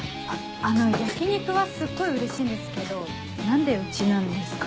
あの焼き肉はすっごいうれしいんですけど何でうちなんですか？